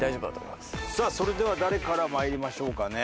さあそれでは誰からまいりましょうかね。